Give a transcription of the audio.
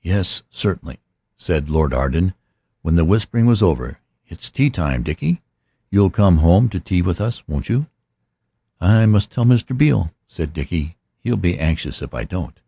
"Yes, certainly," said Lord Arden when the whispering was over; "it's tea time. Dickie, you'll come home to tea with us, won't you?" "I must tell Mr. Beale," said Dickie; "he'll be anxious if I don't."